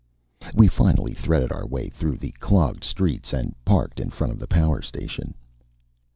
We finally threaded our way through the clogged streets and parked in front of the power station.